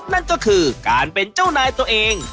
นั่นก็คือการเป็นเจ้านายตัวเอง